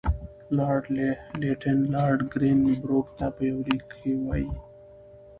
لارډ لیټن لارډ ګرین بروک ته په یوه لیک کې وایي.